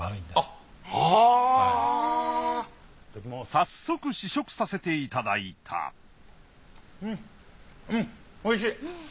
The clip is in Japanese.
早速試食させていただいたうんうんおいしい！